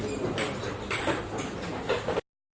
สวัสดีครับ